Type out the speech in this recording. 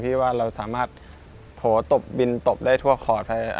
ที่ว่าเราสามารถตบบินตบได้ทั่วคอร์ด